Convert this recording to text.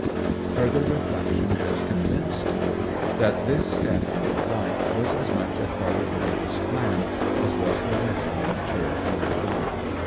Further reflection has convinced me that this step out of life was as much a part of the day's plan as was the wedding in the church hard by.